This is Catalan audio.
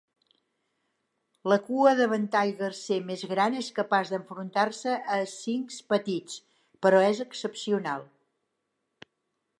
La cua de ventall garser més gran és capaç d'enfrontar-se a escincs petits, però és excepcional.